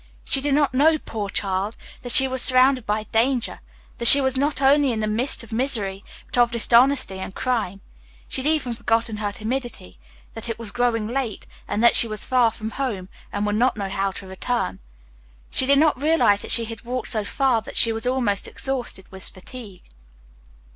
She did not know, poor child! that she was surrounded by danger that she was not only in the midst of misery, but of dishonesty and crime. She had even forgotten her timidity that it was growing late, and that she was far from home, and would not know how to return she did not realize that she had walked so far that she was almost exhausted with fatigue.